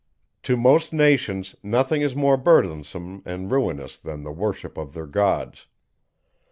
To most nations, nothing is more burthensome and ruinous than the worship of their gods.